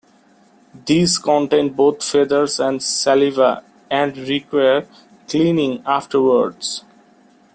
These contain both feathers and saliva and require cleaning afterwards.